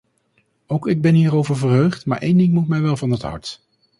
Ook ik ben hierover verheugd, maar één ding moet mij wel van het hart.